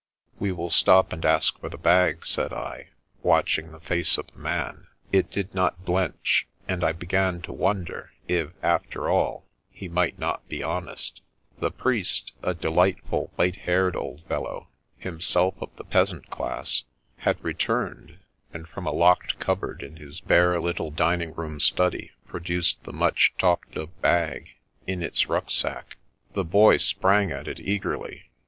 " We will stop and ask for the bag," said I, watch ing the face of the man. It did not blench, and I b^an to wonder if, after all, he might not be honest The priest, a delightful, white haired old fellow, himself of the peasant class, had returned, and from a locked cupboard in his bare little dining room study produced the much talked of bag, in its riick^ sack. The Boy sprang at it eagerly.